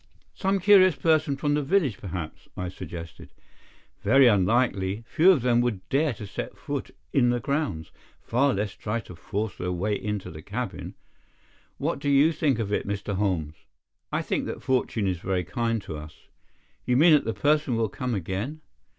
"Some curious person from the village, perhaps," I suggested. "Very unlikely. Few of them would dare to set foot in the grounds, far less try to force their way into the cabin. What do you think of it, Mr. Holmes?" "I think that fortune is very kind to us." "You mean that the person will come again?"